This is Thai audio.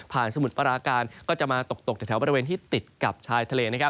สมุทรปราการก็จะมาตกจากแถวบริเวณที่ติดกับชายทะเล